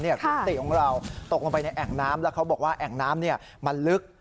คุณติของเราตกลงไปในแอ่งน้ำแล้วเขาบอกว่าแอ่งน้ำมันลึก